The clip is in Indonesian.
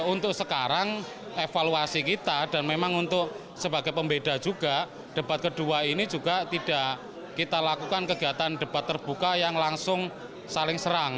untuk sekarang evaluasi kita dan memang untuk sebagai pembeda juga debat kedua ini juga tidak kita lakukan kegiatan debat terbuka yang langsung saling serang